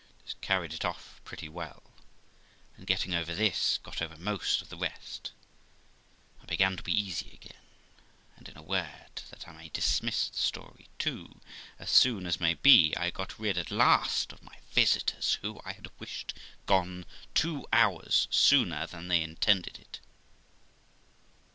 This carried it off pretty well; and getting over this, got over most of the rest, and I began to be easy again ; and, in a word, that I may dismiss the story too, as soon as may be, I got rid at last of my visitors, who I had wished gone two hours sooner than they intended it.